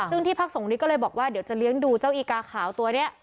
ซึ่งที่พักส่งนี้ก็เลยบอกว่าเดี๋ยวจะเลี้ยงดูเจ้าอีกาขาวตัวนี้